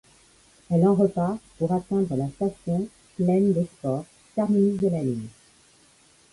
Elle en repart pour atteindre la station Plaine des sports, terminus de la ligne.